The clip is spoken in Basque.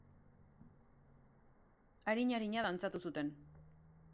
Arin-arina dantzatu zuten.